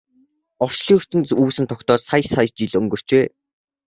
Орчлон ертөнц үүсэн тогтоод сая сая жил өнгөрчээ.